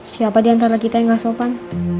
siapa di antara kita yang gak sopan